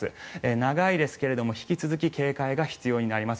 長いですけれど引き続き警戒が必要になります。